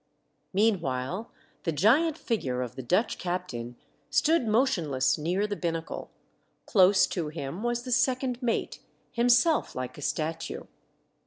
Meanwhile, the giant figure of the Dutch captain stood motionless near the binnacle : close to him was the second mate, himself like a statue.